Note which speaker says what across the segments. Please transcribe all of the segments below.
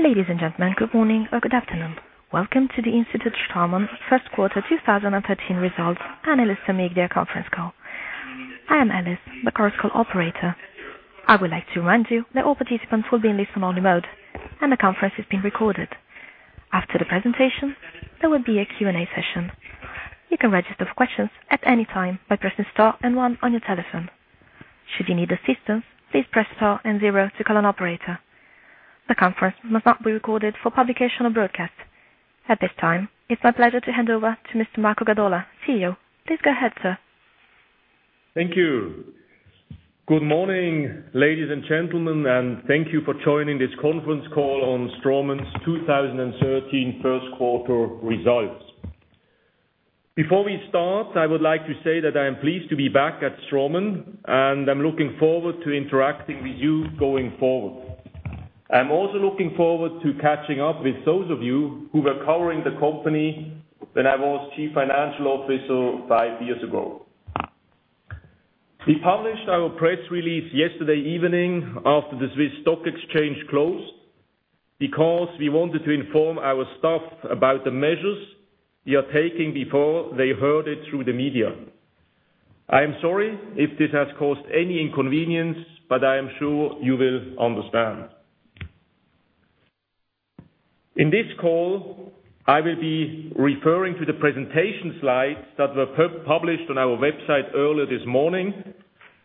Speaker 1: Ladies and gentlemen, good morning or good afternoon. Welcome to the Straumann Group first quarter 2013 results analyst and media conference call. I am Alice, the conference call operator. I would like to remind you that all participants will be in listen only mode, and the conference is being recorded. After the presentation, there will be a Q&A session. You can register for questions at any time by pressing star and one on your telephone. Should you need assistance, please press star and zero to call an operator. The conference must not be recorded for publication or broadcast. At this time, it's my pleasure to hand over to Mr. Marco Gadola, CEO. Please go ahead, sir.
Speaker 2: Thank you. Good morning, ladies and gentlemen, thank you for joining this conference call on Straumann's 2013 first quarter results. Before we start, I would like to say that I am pleased to be back at Straumann, I am looking forward to interacting with you going forward. I am also looking forward to catching up with those of you who were covering the company when I was Chief Financial Officer five years ago. We published our press release yesterday evening after the SIX Swiss Exchange closed because we wanted to inform our staff about the measures we are taking before they heard it through the media. I am sorry if this has caused any inconvenience, I am sure you will understand. In this call, I will be referring to the presentation slides that were published on our website earlier this morning,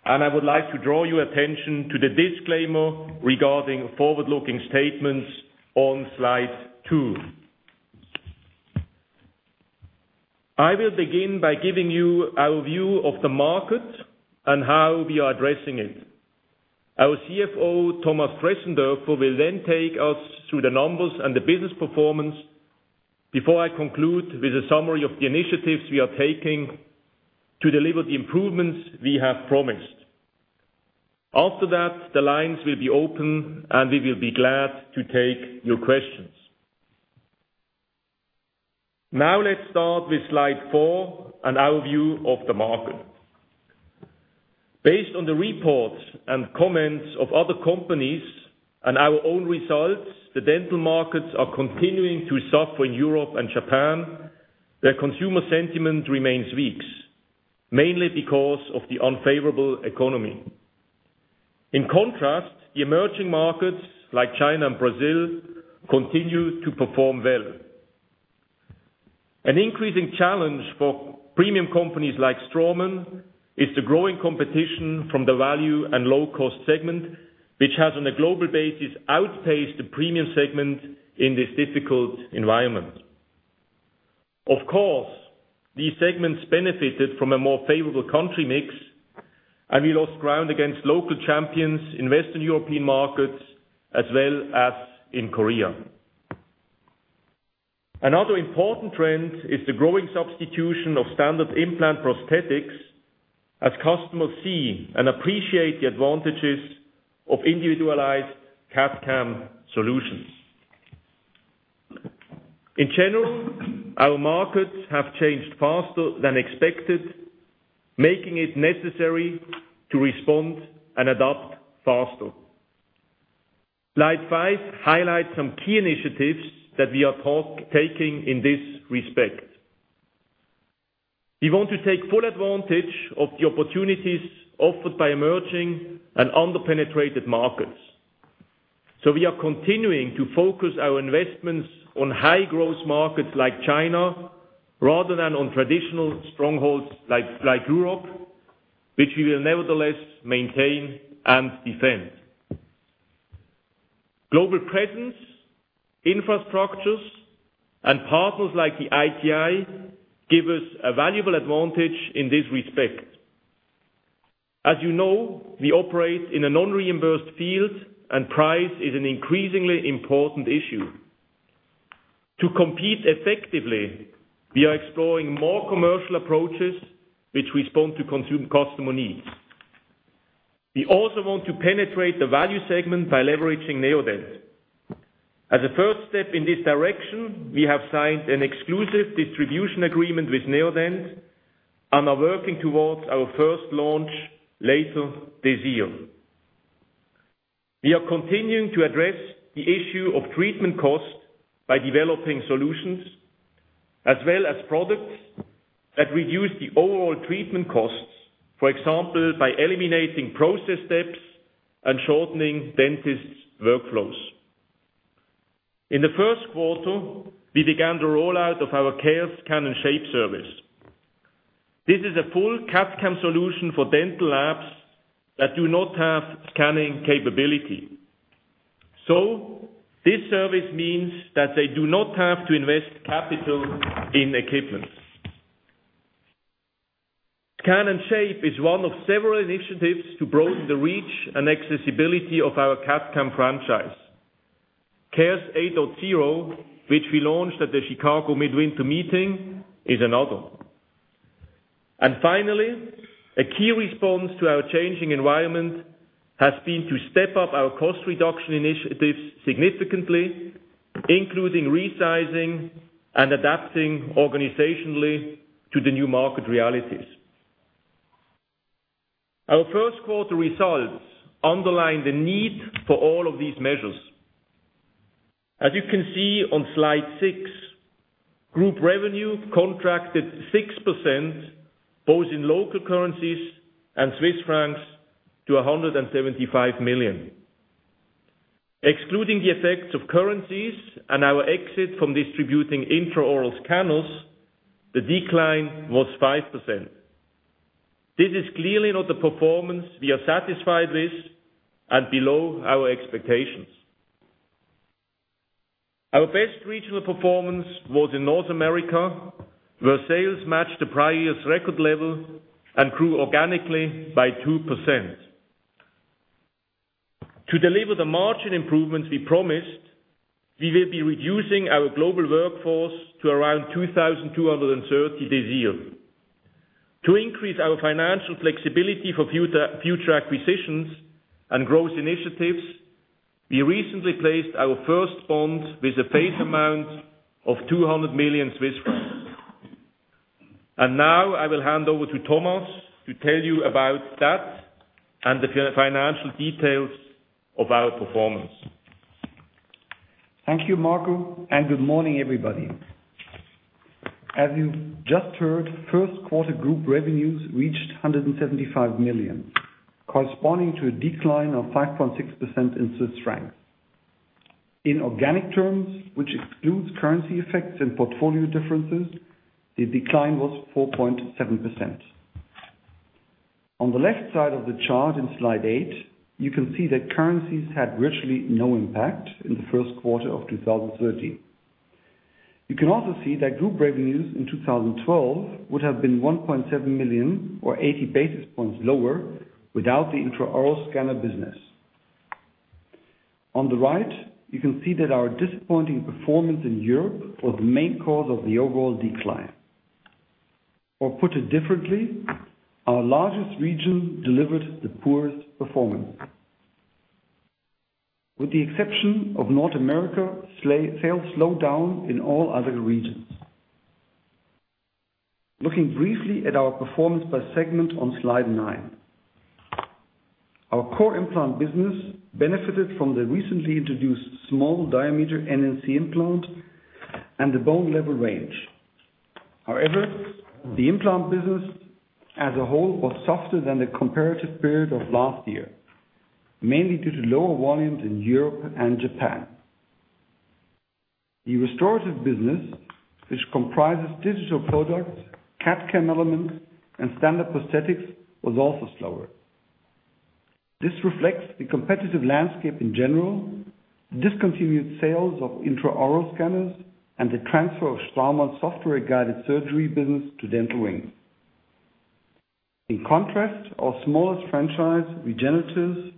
Speaker 2: I would like to draw your attention to the disclaimer regarding forward-looking statements on slide two. I will begin by giving you our view of the market and how we are addressing it. Our CFO, Thomas Dressendörfer, will then take us through the numbers and the business performance before I conclude with a summary of the initiatives we are taking to deliver the improvements we have promised. After that, the lines will be open, we will be glad to take your questions. Let's start with slide four and our view of the market. Based on the reports and comments of other companies our own results, the dental markets are continuing to suffer in Europe and Japan, where consumer sentiment remains weak, mainly because of the unfavorable economy. In contrast, the emerging markets like China and Brazil continue to perform well. An increasing challenge for premium companies like Straumann is the growing competition from the value and low-cost segment, which has on a global basis outpaced the premium segment in this difficult environment. Of course, these segments benefited from a more favorable country mix, we lost ground against local champions in Western European markets as well as in Korea. Another important trend is the growing substitution of standard implant prosthetics as customers see appreciate the advantages of individualized CAD/CAM solutions. In general, our markets have changed faster than expected, making it necessary to respond and adapt faster. Slide five highlights some key initiatives that we are taking in this respect. We want to take full advantage of the opportunities offered by emerging and under-penetrated markets. We are continuing to focus our investments on high-growth markets like China rather than on traditional strongholds like Europe, which we will nevertheless maintain and defend. Global presence, infrastructures, and partners like the ITI give us a valuable advantage in this respect. As you know, we operate in a non-reimbursed field, and price is an increasingly important issue. To compete effectively, we are exploring more commercial approaches which respond to customer needs. We also want to penetrate the value segment by leveraging Neodent. As a first step in this direction, we have signed an exclusive distribution agreement with Neodent and are working towards our first launch later this year. We are continuing to address the issue of treatment cost by developing solutions as well as products that reduce the overall treatment costs, for example, by eliminating process steps and shortening dentists' workflows. In the first quarter, we began the rollout of our CARES Scan & Shape service. This is a full CAD/CAM solution for dental labs that do not have scanning capability. This service means that they do not have to invest capital in equipment. CARES Scan & Shape is one of several initiatives to broaden the reach and accessibility of our CAD/CAM franchise. CARES 8.0, which we launched at the Chicago Midwinter Meeting, is another one. Finally, a key response to our changing environment has been to step up our cost reduction initiatives significantly, including resizing and adapting organizationally to the new market realities. Our first quarter results underline the need for all of these measures. As you can see on slide six, group revenue contracted 6%, both in local currencies and Swiss francs, to 175 million. Excluding the effects of currencies and our exit from distributing intraoral scanners, the decline was 5%. This is clearly not the performance we are satisfied with and below our expectations. Our best regional performance was in North America, where sales matched the prior year's record level and grew organically by 2%. To deliver the margin improvements we promised, we will be reducing our global workforce to around 2,230 this year. To increase our financial flexibility for future acquisitions and growth initiatives, we recently placed our first bond with a face amount of 200 million Swiss francs. Now I will hand over to Thomas to tell you about that and the financial details of our performance.
Speaker 3: Thank you, Marco. Good morning, everybody. As you just heard, first quarter group revenues reached 175 million, corresponding to a decline of 5.6% in CHF. In organic terms, which excludes currency effects and portfolio differences, the decline was 4.7%. On the left side of the chart in slide eight, you can see that currencies had virtually no impact in the first quarter of 2013. You can also see that group revenues in 2012 would have been 1.7 million or 80 basis points lower without the intraoral scanner business. On the right, you can see that our disappointing performance in Europe was the main cause of the overall decline. Put it differently, our largest region delivered the poorest performance. With the exception of North America, sales slowed down in all other regions. Looking briefly at our performance by segment on slide nine. Our core implant business benefited from the recently introduced small diameter NNC implant and the bone level range. The implant business as a whole was softer than the comparative period of last year, mainly due to lower volumes in Europe and Japan. The restorative business, which comprises digital products, CAD/CAM elements, and standard prosthetics, was also slower. This reflects the competitive landscape in general, discontinued sales of intraoral scanners, and the transfer of Straumann's software-guided surgery business to Dental Wings. Our smallest franchise, Regeneratives,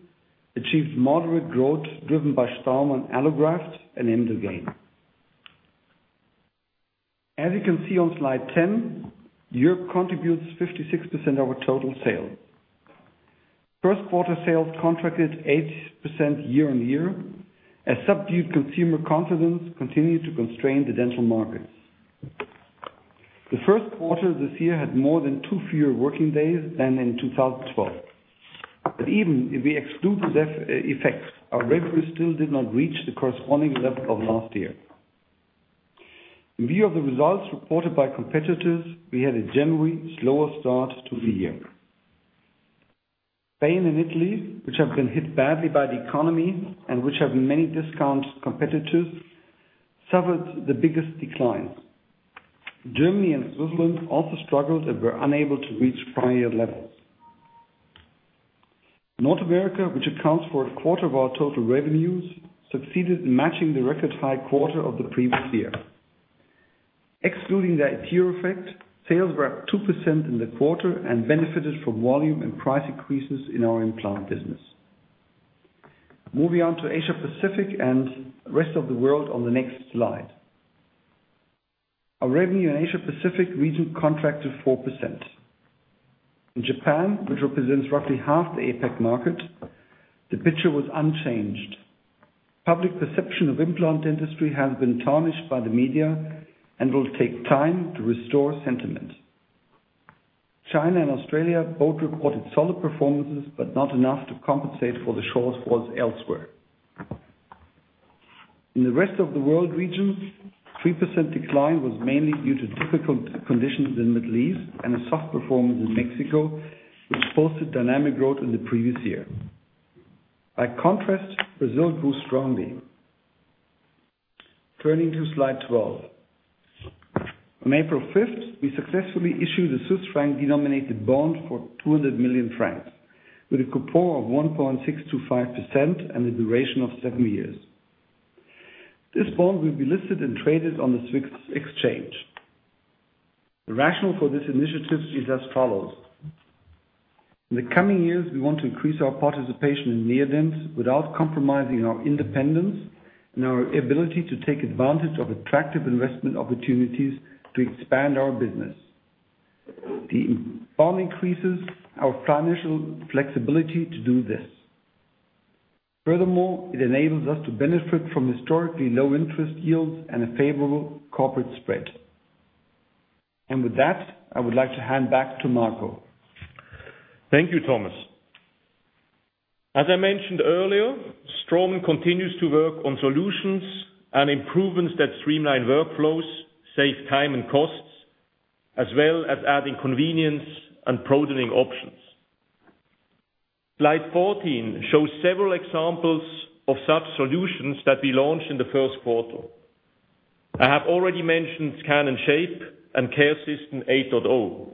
Speaker 3: achieved moderate growth driven by Straumann AlloGraft and Emdogain. You can see on slide 10, Europe contributes 56% of our total sales. First quarter sales contracted 8% year-on-year as subdued consumer confidence continued to constrain the dental markets. The first quarter this year had more than two fewer working days than in 2012. Even if we exclude that effect, our revenue still did not reach the corresponding level of last year. In view of the results reported by competitors, we had a generally slower start to the year. Spain and Italy, which have been hit badly by the economy and which have many discount competitors, suffered the biggest declines. Germany and Switzerland also struggled and were unable to reach prior levels. North America, which accounts for a quarter of our total revenues, succeeded in matching the record high quarter of the previous year. Excluding that year effect, sales were up 2% in the quarter and benefited from volume and price increases in our implant business. Moving on to Asia Pacific and the rest of the world on the next slide. Our revenue in Asia Pacific region contracted 4%. In Japan, which represents roughly half the APAC market, the picture was unchanged. Public perception of implant industry has been tarnished by the media and will take time to restore sentiment. China and Australia both reported solid performances, but not enough to compensate for the shortfalls elsewhere. In the rest of the world regions, 3% decline was mainly due to difficult conditions in Middle East and a soft performance in Mexico, which posted dynamic growth in the previous year. Brazil grew strongly. Turning to slide 12. On April 5th, we successfully issued a Swiss franc-denominated bond for 200 million francs, with a coupon of 1.625% and a duration of seven years. This bond will be listed and traded on the Swiss Exchange. The rationale for this initiative is as follows. In the coming years, we want to increase our participation in Neodent without compromising our independence and our ability to take advantage of attractive investment opportunities to expand our business. The bond increases our financial flexibility to do this. It enables us to benefit from historically low interest yields and a favorable corporate spread. With that, I would like to hand back to Marco.
Speaker 2: Thank you, Thomas. As I mentioned earlier, Straumann continues to work on solutions and improvements that streamline workflows, save time and costs, as well as adding convenience and broadening options. Slide 14 shows several examples of such solutions that we launched in the first quarter. I have already mentioned Scan and Shape and CARES System 8.0.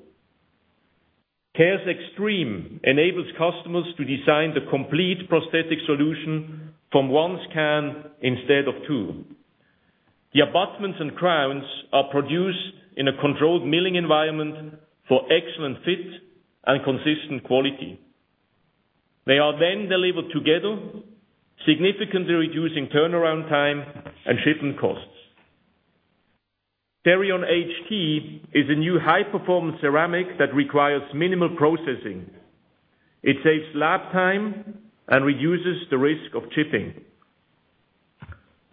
Speaker 2: CARES Xtreme enables customers to design the complete prosthetic solution from one scan instead of two. The abutments and crowns are produced in a controlled milling environment for excellent fit and consistent quality. They are then delivered together, significantly reducing turnaround time and shipping costs. Zerion HT is a new high-performance ceramic that requires minimal processing. It saves lab time and reduces the risk of chipping.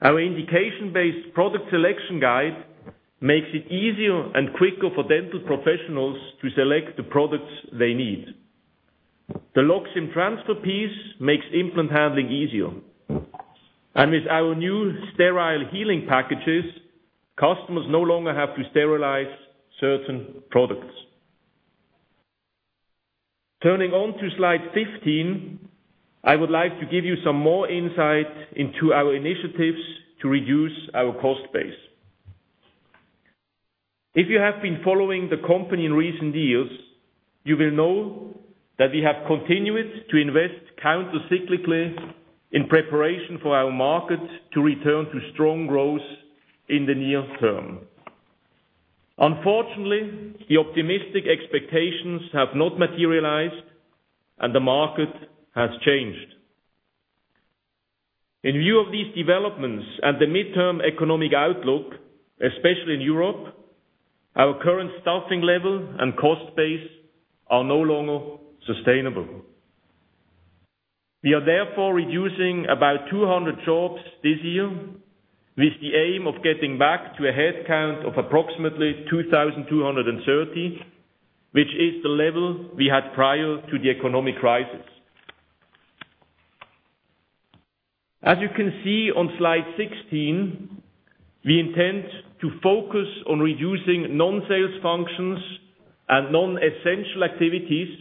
Speaker 2: Our indication-based product selection guide makes it easier and quicker for dental professionals to select the products they need. The Loxim transfer piece makes implant handling easier. With our new sterile healing packages, customers no longer have to sterilize certain products. Turning on to Slide 15, I would like to give you some more insight into our initiatives to reduce our cost base. If you have been following the company in recent years, you will know that we have continued to invest counter-cyclically in preparation for our markets to return to strong growth in the near term. Unfortunately, the optimistic expectations have not materialized, and the market has changed. In view of these developments and the midterm economic outlook, especially in Europe, our current staffing level and cost base are no longer sustainable. We are therefore reducing about 200 jobs this year, with the aim of getting back to a headcount of approximately 2,230, which is the level we had prior to the economic crisis. As you can see on Slide 16, we intend to focus on reducing non-sales functions and non-essential activities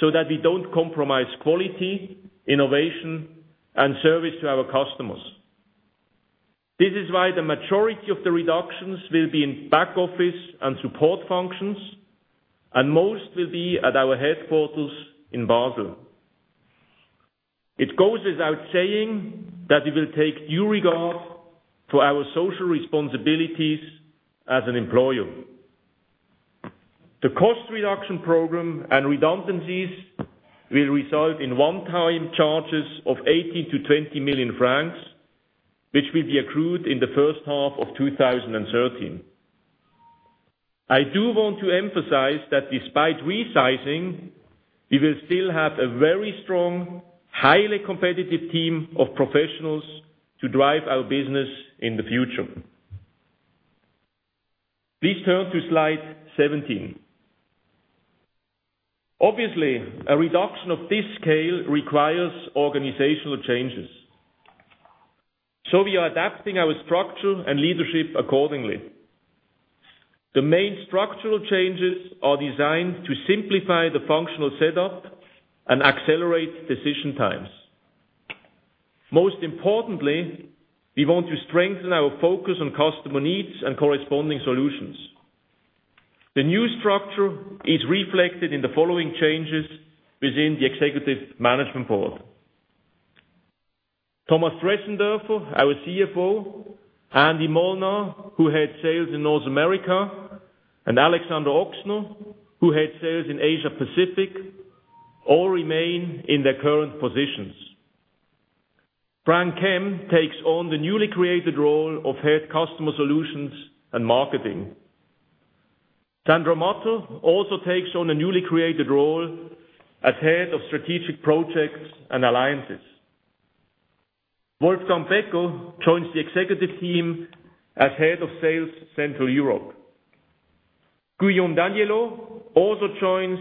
Speaker 2: so that we don't compromise quality, innovation, and service to our customers. This is why the majority of the reductions will be in back-office and support functions, and most will be at our headquarters in Basel. It goes without saying that we will take due regard for our social responsibilities as an employer. The cost reduction program and redundancies will result in one-time charges of 18 million to 20 million francs, which will be accrued in the first half of 2013. I do want to emphasize that despite resizing, we will still have a very strong, highly competitive team of professionals to drive our business in the future. Please turn to Slide 17. Obviously, a reduction of this scale requires organizational changes. We are adapting our structure and leadership accordingly. The main structural changes are designed to simplify the functional setup and accelerate decision times. Most importantly, we want to strengthen our focus on customer needs and corresponding solutions. The new structure is reflected in the following changes within the executive management board. Thomas Dressendörfer, our CFO, Andy Molnar, who heads Sales North America, and Alexander Ochsner, who heads Sales Asia Pacific, all remain in their current positions. Frank Hemm takes on the newly created role of Head of Customer Solutions and Marketing. Sandro Matter also takes on a newly created role as Head of Strategic Projects and Alliances. Wolfgang Becker joins the executive team as Head of Sales, Central Europe. Guillaume Daniellot also joins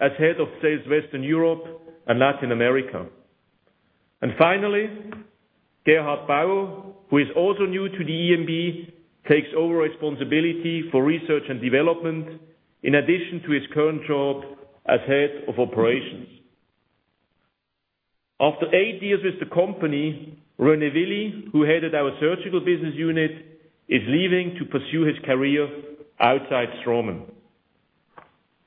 Speaker 2: as Head of Sales, Western Europe and Latin America. Finally, Gerhard Bauer, who is also new to the EMB, takes over responsibility for research and development in addition to his current job as head of operations. After eight years with the company, René Willi, who headed our surgical business unit, is leaving to pursue his career outside Straumann.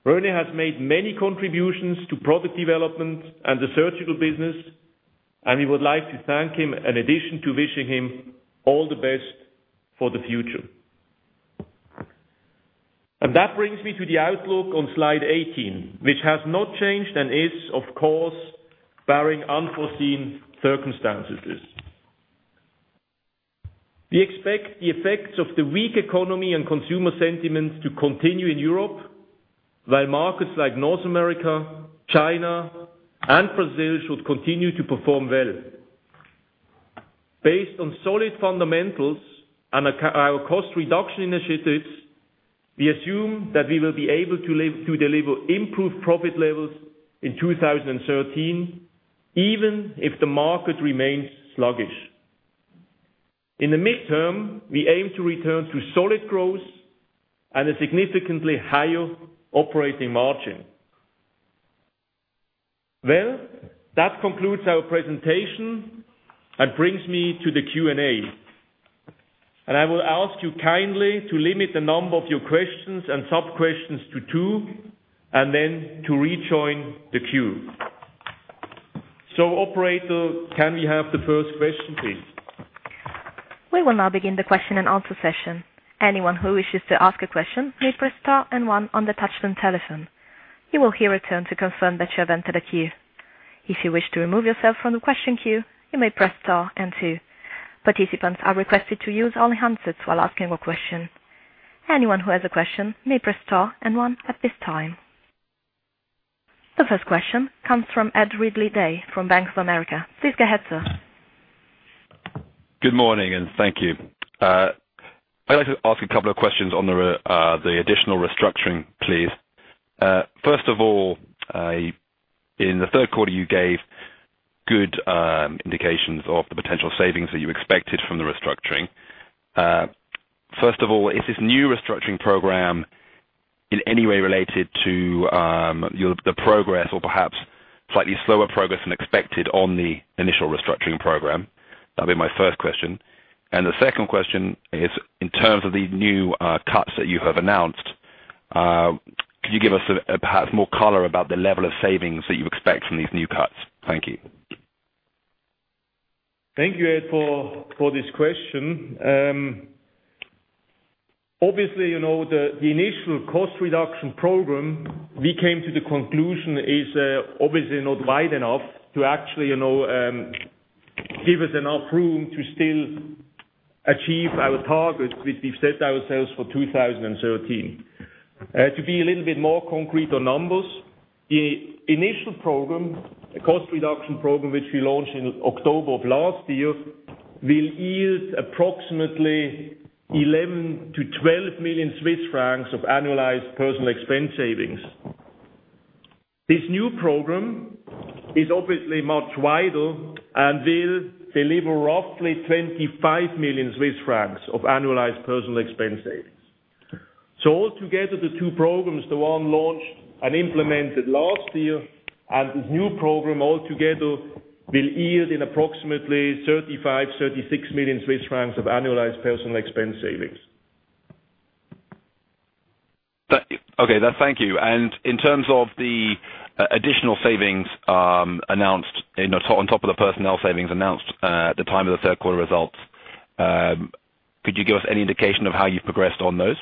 Speaker 2: René has made many contributions to product development and the surgical business, and we would like to thank him in addition to wishing him all the best for the future. That brings me to the outlook on slide 18, which has not changed and is, of course, barring unforeseen circumstances. We expect the effects of the weak economy and consumer sentiments to continue in Europe, while markets like North America, China, and Brazil should continue to perform well. Based on solid fundamentals and our cost reduction initiatives, we assume that we will be able to deliver improved profit levels in 2013, even if the market remains sluggish. In the midterm, we aim to return to solid growth and a significantly higher operating margin. That concludes our presentation and brings me to the Q&A. I will ask you kindly to limit the number of your questions and sub-questions to two, to rejoin the queue. Operator, can we have the first question, please?
Speaker 1: We will now begin the question and answer session. Anyone who wishes to ask a question may press star and one on the touch-tone telephone. You will hear a tone to confirm that you have entered a queue. If you wish to remove yourself from the question queue, you may press star and two. Participants are requested to use only handsets while asking a question. Anyone who has a question may press star and one at this time. The first question comes from Ed Ridley-Day from Bank of America. Please go ahead, sir.
Speaker 4: Good morning, thank you. I'd like to ask a couple of questions on the additional restructuring, please. First of all, in the third quarter, you gave good indications of the potential savings that you expected from the restructuring. First of all, is this new restructuring program in any way related to the progress or perhaps slightly slower progress than expected on the initial restructuring program? That'd be my first question. The second question is, in terms of these new cuts that you have announced, could you give us perhaps more color about the level of savings that you expect from these new cuts? Thank you.
Speaker 2: Thank you, Ed, for this question. Obviously, the initial cost reduction program, we came to the conclusion is obviously not wide enough to actually give us enough room to still achieve our targets, which we've set ourselves for 2013. To be a little bit more concrete on numbers, the initial program, the cost reduction program, which we launched in October of last year, will yield approximately 11 million-12 million Swiss francs of annualized personal expense savings. This new program is obviously much wider and will deliver roughly 25 million Swiss francs of annualized personal expense savings. Altogether, the two programs, the one launched and implemented last year, and this new program altogether will yield in approximately 35 million-36 million Swiss francs of annualized personal expense savings.
Speaker 4: Okay. Thank you. In terms of the additional savings announced on top of the personnel savings announced at the time of the third quarter results, could you give us any indication of how you've progressed on those?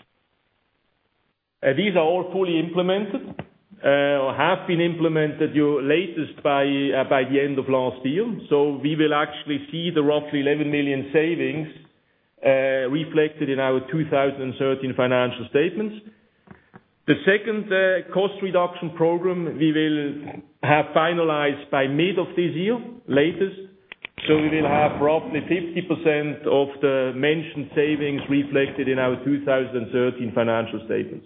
Speaker 2: These are all fully implemented or have been implemented latest by the end of last year. We will actually see the roughly 11 million savings reflected in our 2013 financial statements. The second cost reduction program we will have finalized by mid of this year latest. We will have roughly 50% of the mentioned savings reflected in our 2013 financial statements.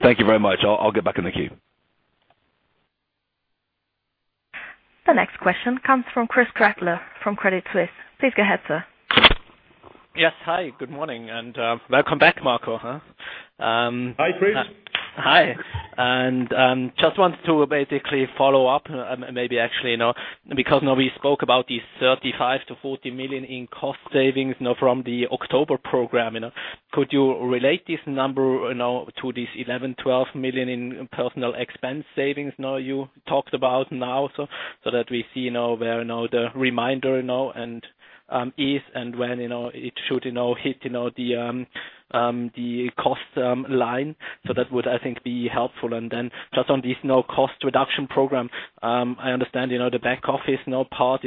Speaker 4: Thank you very much. I'll get back in the queue.
Speaker 1: The next question comes from Christoph Gretler from Credit Suisse. Please go ahead, sir.
Speaker 5: Yes. Hi, good morning. Welcome back, Marco.
Speaker 2: Hi, Chris.
Speaker 5: Just wanted to basically follow up, maybe actually, because now we spoke about these 35 million-40 million in cost savings from the October program. Could you relate this number to this 11 million-12 million in personal expense savings you talked about now, so that we see where the reminder is and when it should hit the cost line. That would, I think, be helpful. Just on this cost reduction program, I understand the back office part.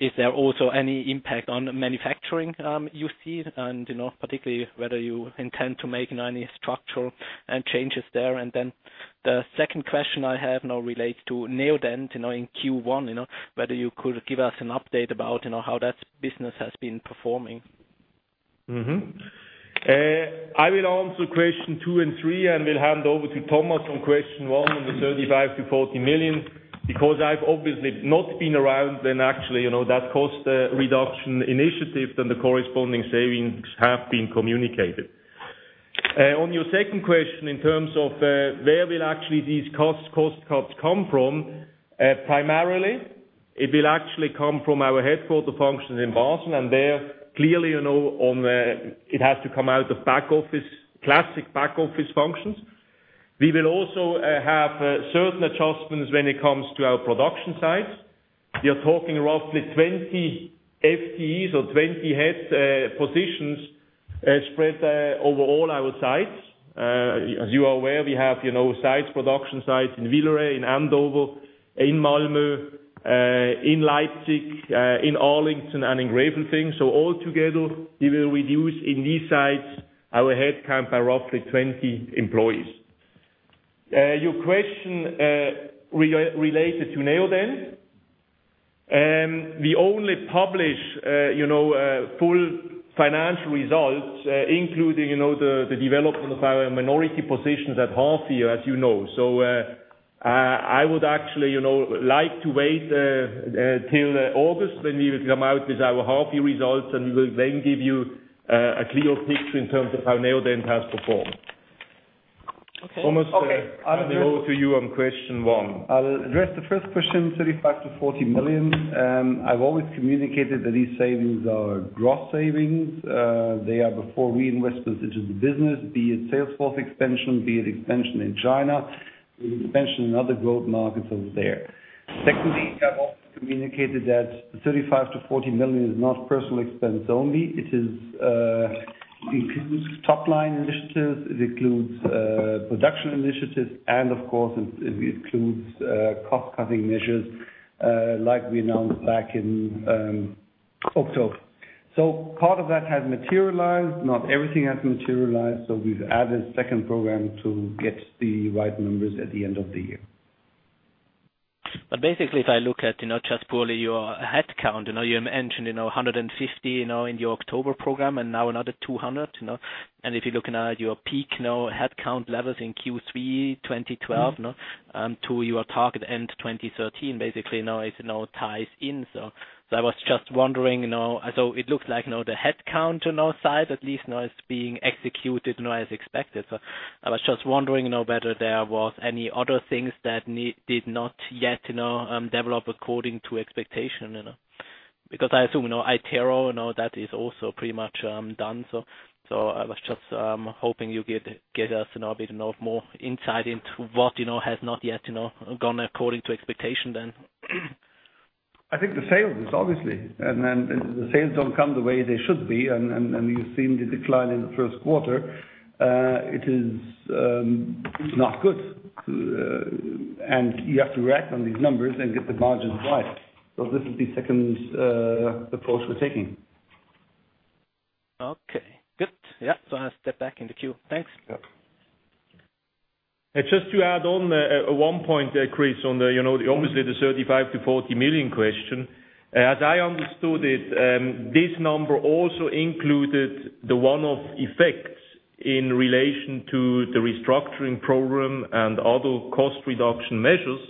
Speaker 5: Is there also any impact on manufacturing you see? Particularly whether you intend to make any structural changes there. The second question I have now relates to Neodent in Q1, whether you could give us an update about how that business has been performing.
Speaker 2: I will answer question two and three and will hand over to Thomas on question one on the 35 million to 40 million, because I've obviously not been around when actually that cost reduction initiative and the corresponding savings have been communicated. On your second question, in terms of where will actually these cost cuts come from? Primarily, it will actually come from our headquarter functions in Basel, and there clearly, it has to come out of back office, classic back office functions. We will also have certain adjustments when it comes to our production sites. We are talking roughly 20 FTEs or 20 head positions spread over all our sites. As you are aware, we have production sites in Villeret, in Andover, in Malmo, in Leipzig, in Arlington, and in Gräfelfing. All together, we will reduce in these sites our headcount by roughly 20 employees. Your question related to Neodent. We only publish full financial results, including the development of our minority positions at half year, as you know. I would actually like to wait till August, when we will come out with our half-year results, and we will then give you a clear picture in terms of how Neodent has performed.
Speaker 3: Okay.
Speaker 2: Thomas, I'll hand over to you on question one.
Speaker 3: I'll address the first question, 35 million to 40 million. I've always communicated that these savings are gross savings. They are before reinvestments into the business, be it sales force expansion, be it expansion in China, or expansion in other growth markets over there. Secondly, I've also communicated that 35 million to 40 million is not personal expense only. It includes top-line initiatives, it includes production initiatives, and of course, it includes cost-cutting measures, like we announced back in October. Part of that has materialized. Not everything has materialized, we've added a second program to get the right numbers at the end of the year.
Speaker 5: Basically, if I look at just purely your headcount. You mentioned 150 in your October program, and now another 200. If you're looking at your peak headcount levels in Q3 2012 to your target end 2013, basically now it ties in. I was just wondering, it looks like the headcount side at least now is being executed as expected. I was just wondering whether there was any other things that did not yet develop according to expectation. Because I assume iTero, that is also pretty much done. I was just hoping you could get us a bit more insight into what has not yet gone according to expectation then.
Speaker 3: I think the sales, obviously. The sales don't come the way they should be, and you've seen the decline in the first quarter. It is not good. You have to act on these numbers and get the margins right. This is the second approach we're taking.
Speaker 5: Okay, good. Yeah. I step back in the queue. Thanks.
Speaker 3: Yeah.
Speaker 2: Just to add on one point there, Chris, on obviously the 35 million-40 million question. As I understood it, this number also included the one-off effects in relation to the restructuring program and other cost reduction measures,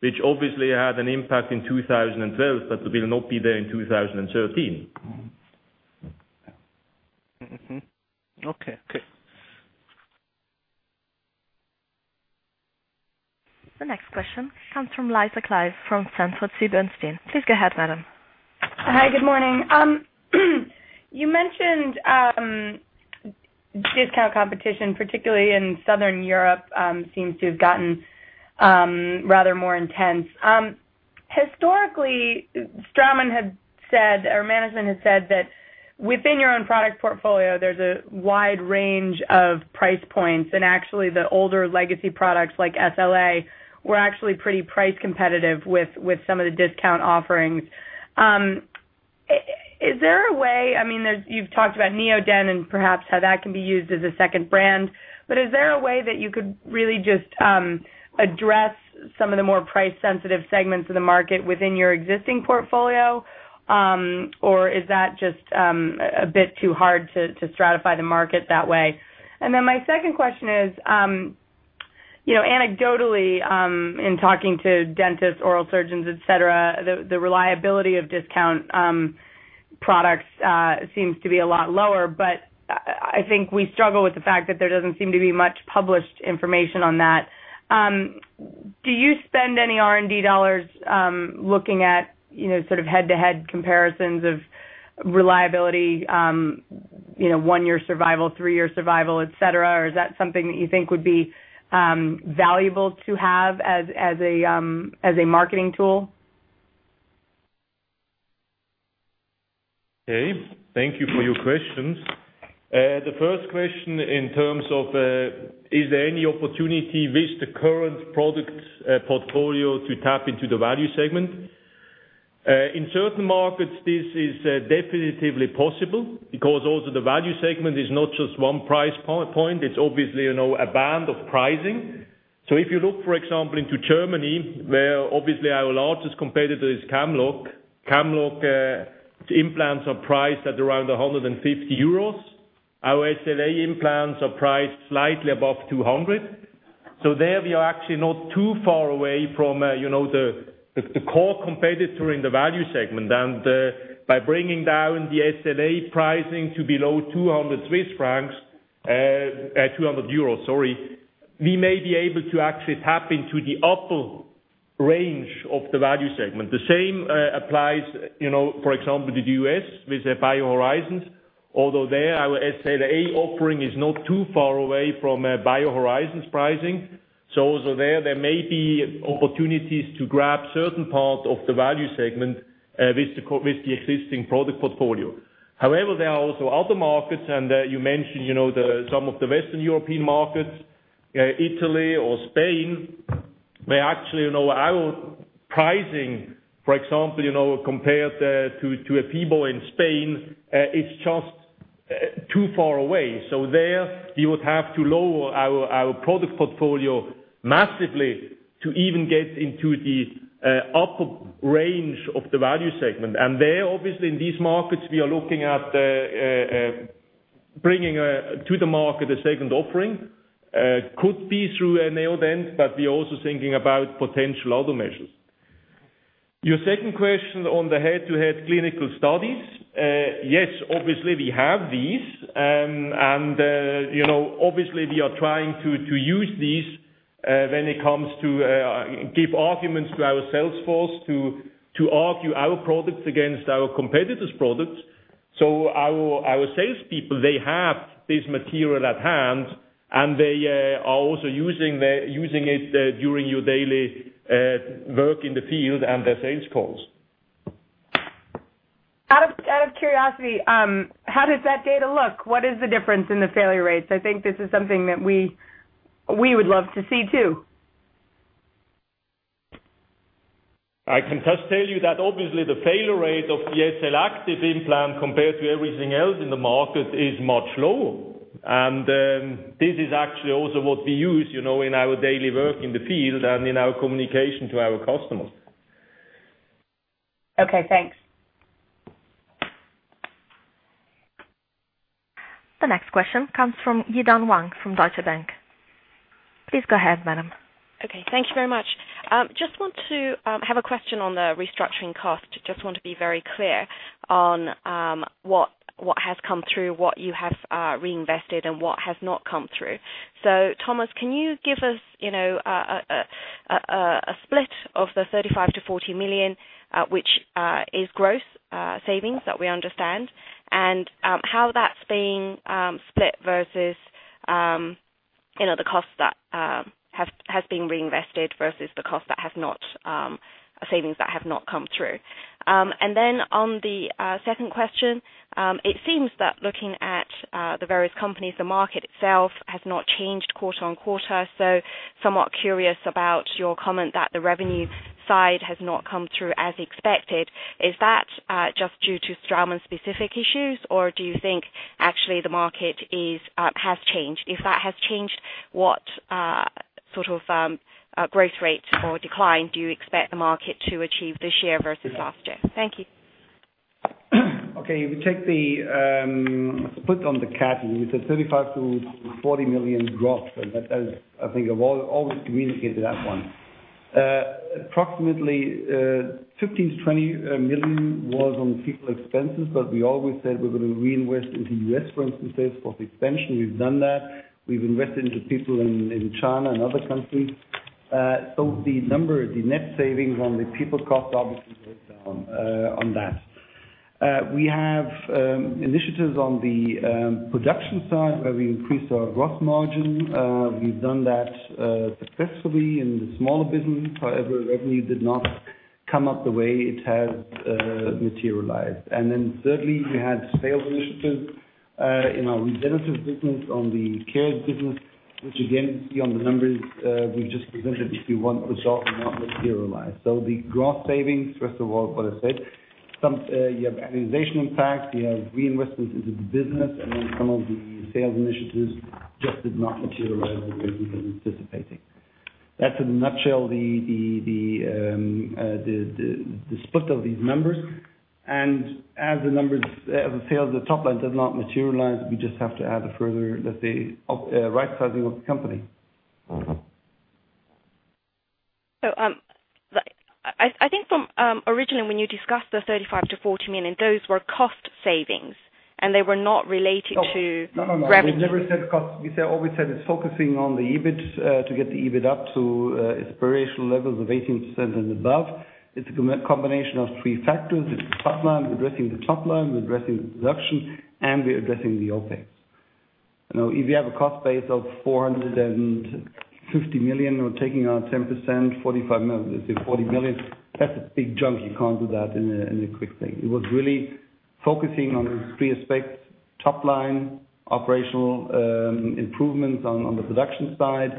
Speaker 2: which obviously had an impact in 2012, but will not be there in 2013.
Speaker 3: Mm-hmm. Okay.
Speaker 2: Okay.
Speaker 1: The next question comes from Lisa Clive from Sanford C. Bernstein. Please go ahead, madam.
Speaker 6: Hi. Good morning. You mentioned discount competition, particularly in Southern Europe, seems to have gotten rather more intense. Historically, Straumann had said, or management has said that within your own product portfolio, there's a wide range of price points, and actually the older legacy products like SLA were actually pretty price competitive with some of the discount offerings. You've talked about Neodent and perhaps how that can be used as a second brand. Is there a way that you could really just address some of the more price-sensitive segments of the market within your existing portfolio? Or is that just a bit too hard to stratify the market that way? My second question is, anecdotally, in talking to dentists, oral surgeons, et cetera, the reliability of discount products seems to be a lot lower. I think we struggle with the fact that there doesn't seem to be much published information on that. Do you spend any R&D dollars looking at head-to-head comparisons of reliability, one-year survival, three-year survival, et cetera? Or is that something that you think would be valuable to have as a marketing tool?
Speaker 2: Thank you for your questions. The first question in terms of, is there any opportunity with the current product portfolio to tap into the value segment? In certain markets, this is definitively possible because also the value segment is not just one price point. It's obviously a band of pricing. If you look, for example, into Germany, where obviously our largest competitor is Camlog. Camlog implants are priced at around 150 euros. Our SLA implants are priced slightly above 200. There, we are actually not too far away from the core competitor in the value segment. By bringing down the SLA pricing to below CHF 200-- 200 euros, sorry, we may be able to actually tap into the upper range of the value segment. The same applies, for example, to the U.S. with BioHorizons. Although there, our SLA offering is not too far away from BioHorizons pricing. Also there may be opportunities to grab certain parts of the value segment with the existing product portfolio. However, there are also other markets, and you mentioned some of the Western European markets, Italy or Spain, where actually our pricing, for example, compared to a [people] in Spain, is just too far away. There we would have to lower our product portfolio massively to even get into the upper range of the value segment. There, obviously, in these markets, we are looking at bringing to the market a second offering. Could be through an [AO then], but we're also thinking about potential other measures. Your second question on the head-to-head clinical studies. Yes, obviously, we have these, obviously, we are trying to use these when it comes to give arguments to our sales force to argue our products against our competitors' products. Our salespeople, they have this material at hand, and they are also using it during your daily work in the field and the sales calls.
Speaker 6: Out of curiosity, how does that data look? What is the difference in the failure rates? I think this is something that we would love to see too.
Speaker 2: I can just tell you that obviously the failure rate of the SLActive implant compared to everything else in the market is much lower. This is actually also what we use in our daily work in the field and in our communication to our customers.
Speaker 6: Okay, thanks.
Speaker 1: The next question comes from Yidan Wang from Deutsche Bank. Please go ahead, madam.
Speaker 7: Okay. Thank you very much. Just want to have a question on the restructuring cost. Just want to be very clear on what has come through, what you have reinvested, and what has not come through. Thomas, can you give us a split of the 35 million-40 million, which is gross savings that we understand, and how that's being split versus the cost that has been reinvested versus the savings that have not come through. Then on the second question, it seems that looking at the various companies, the market itself has not changed quarter-on-quarter. Somewhat curious about your comment that the revenue side has not come through as expected. Is that just due to Straumann specific issues, or do you think actually the market has changed? If that has changed, what sort of growth rate or decline do you expect the market to achieve this year versus last year? Thank you.
Speaker 2: Okay. If you take the split on the [CARES], we said 35 million to 40 million gross. That is, I think I've always communicated that one. Approximately 15 million to 20 million was on people expenses, we always said we're going to reinvest into U.S., for instance, sales force expansion. We've done that. We've invested into people in China and other countries. The number, the net savings on the people cost obviously goes down on that. We have initiatives on the production side where we increase our gross margin. We've done that successfully in the smaller business. However, revenue did not come up the way it has materialized. Thirdly, we had sales initiatives in our Regenerative business, on the [CARES] business, which again, you see on the numbers we just presented, the results have not materialized. The gross savings, first of all, what I said, you have annualization impact, you have reinvestments into the business, and then some of the sales initiatives just did not materialize the way we were anticipating. That's in a nutshell the split of these numbers. As the sales at the top line does not materialize, we just have to add further, let's say, rightsizing of the company.
Speaker 7: I think from originally when you discussed the 35 million to 40 million, those were cost savings, and they were not related to revenue.
Speaker 2: No. We never said cost. We always said it's focusing on the EBIT to get the EBIT up to inspirational levels of 18% and above. It's a combination of three factors. It's top line, we're addressing the top line, we're addressing the production, and we're addressing the OpEx. If you have a cost base of 450 million, we're taking out 10%, 45 million. Let's say 40 million. That's a big chunk. You can't do that in a quick thing. It was really focusing on these three aspects, top line, operational improvements on the production side,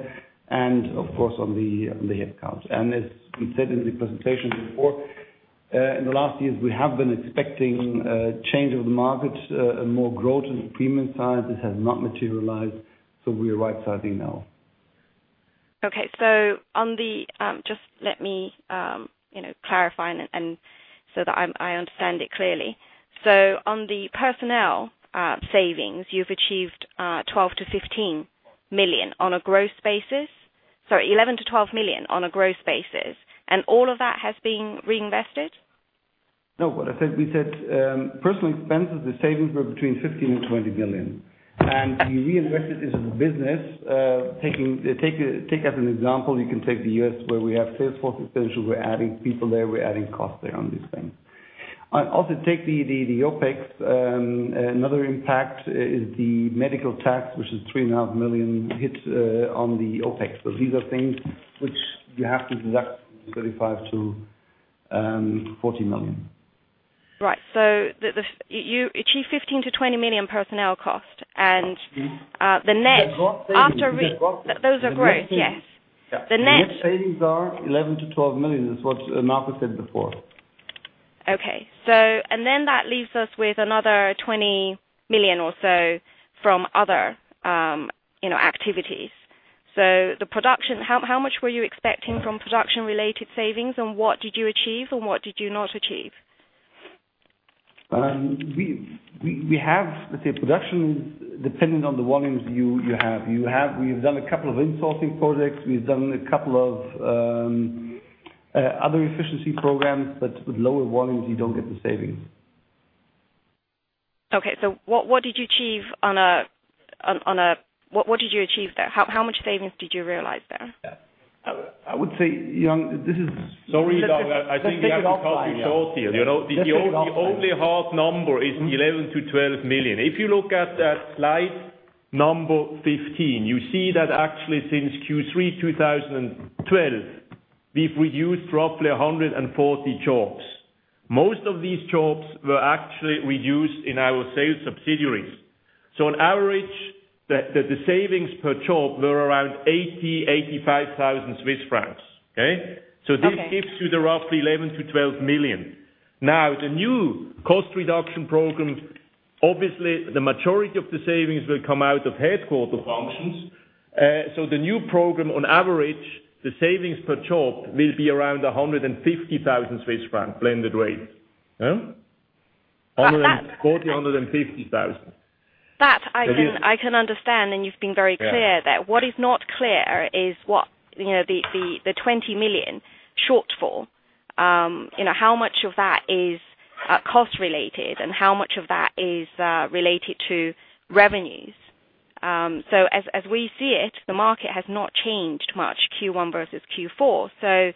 Speaker 2: and of course on the head count. As we said in the presentation before, in the last years, we have been expecting a change of the market and more growth in the premium side. This has not materialized, so we are rightsizing now.
Speaker 7: Okay. Just let me clarify so that I understand it clearly. On the personnel savings, you've achieved 12 million-15 million on a gross basis. Sorry, 11 million-12 million on a gross basis. All of that has been reinvested?
Speaker 2: No. What I said, we said personnel expenses, the savings were between 15 million and 20 million. We reinvested into the business. Take as an example, you can take the U.S., where we have sales force extension. We're adding people there, we're adding cost there on this thing. Also take the OpEx. Another impact is the medical tax, which is 3.5 million hit on the OpEx. These are things which you have to deduct from the 35 million-40 million.
Speaker 7: Right. You achieve 15 million-20 million personnel cost, and the net-
Speaker 3: The gross savings. Those are gross, yes. The net savings are 11 million-12 million, is what Marco said before.
Speaker 7: Okay. That leaves us with another 20 million or so from other activities. How much were you expecting from production-related savings, and what did you achieve and what did you not achieve?
Speaker 3: We have, let's say, production depending on the volumes you have. We've done a couple of insourcing projects. We've done a couple of other efficiency programs, but with lower volumes, you don't get the savings.
Speaker 7: What did you achieve there? How much savings did you realize there?
Speaker 3: I would say, this is.
Speaker 2: Sorry, [dog]. I think we have to cut you short here.
Speaker 3: Let's take it offline.
Speaker 2: The only hard number is 11 million to 12 million. If you look at that slide 15, you see that actually since Q3 2012, we've reduced roughly 140 jobs. Most of these jobs were actually reduced in our sales subsidiaries. On average, the savings per job were around 80,000-85,000 Swiss francs. Okay?
Speaker 7: Okay.
Speaker 2: This gives you the roughly 11 million to 12 million. The new cost reduction program, obviously, the majority of the savings will come out of headquarter functions. The new program, on average, the savings per job will be around 150,000 Swiss francs, blended rate. Yeah?
Speaker 7: But that-
Speaker 2: 140,000, 150,000.
Speaker 7: That I can understand, you've been very clear there. What is not clear is the 20 million shortfall. How much of that is cost related, and how much of that is related to revenues? As we see it, the market has not changed much Q1 versus Q4.